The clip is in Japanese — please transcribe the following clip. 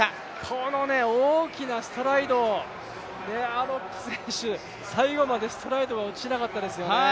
この大きなストライド、アロップ選手、最後までストライドは落ちなかったですよね。